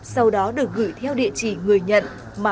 sau đó được gửi theo địa chỉ người nhận